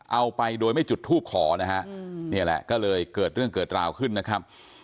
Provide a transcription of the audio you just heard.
เอาไปโดยไม่จุดทูปขอนะฮะนี่แหละก็เลยเกิดเรื่องเกิดราวขึ้นนะครับ